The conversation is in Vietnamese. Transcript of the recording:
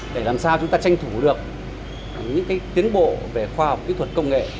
để làm sao chúng ta tranh thủ được những tiến bộ về khoa học kỹ thuật công nghệ